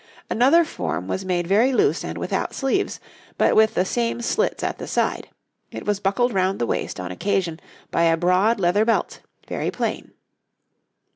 Another form was made very loose and without sleeves, but with the same slits at the side; it was buckled round the waist on occasion by a broad leather belt, very plain.